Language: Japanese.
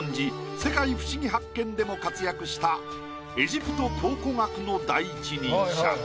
「世界ふしぎ発見！」でも活躍したエジプト考古学の第一人者。